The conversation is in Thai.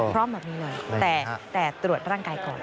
พร้อมแบบนี้เลยแต่ตรวจร่างกายก่อน